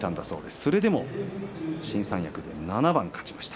それでも新三役で７番勝ちました。